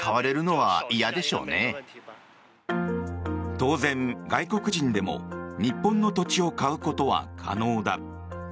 当然、外国人でも日本の土地を買うことは可能だ。